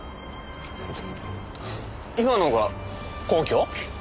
今のが根拠？